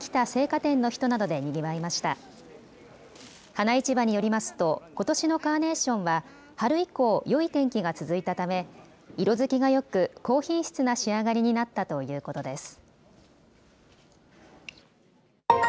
花市場によりますと、ことしのカーネーションは春以降、よい天気が続いたため、色づきがよく、高品質な仕上がりになったということです。